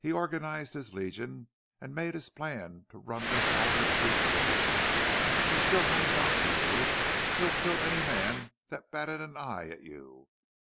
He organized his Legion an' makes his plan to run this Alder Creek red. He still hangs on to you. He'd kill any man thet batted an eye at you....